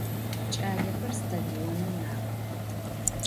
Ç'alexer stadionım mak'ox.